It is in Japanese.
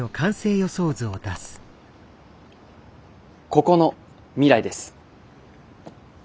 ここの未来です。